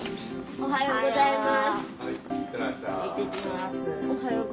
おはようございます。